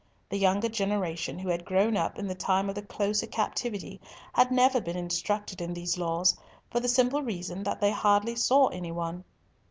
The younger generation who had grown up in the time of the closer captivity had never been instructed in these laws, for the simple reason that they hardly saw any one.